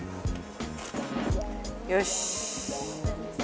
よし！